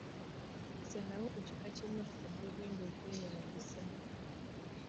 Salawo ekika ky'emmotoka ky'ogenda okweyambisa.